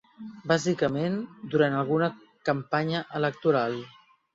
Bàsicament, durant alguna campanya electoral.